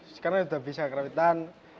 sekarang sudah bisa karawitan